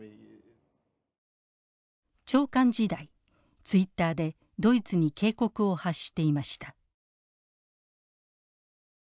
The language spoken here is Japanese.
長官時代ツイッターでドイツに警告を発していました。